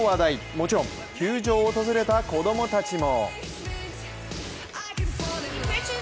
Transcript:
もちろん球場を訪れた子供たちも。